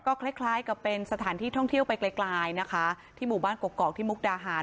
คล้ายคล้ายกับเป็นสถานที่ท่องเที่ยวไปไกลนะคะที่หมู่บ้านกกอกที่มุกดาหาร